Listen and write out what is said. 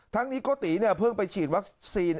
ทั้งนี้โกติเพิ่งไปฉีดวัคซีน